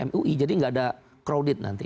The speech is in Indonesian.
mui jadi nggak ada crowded nanti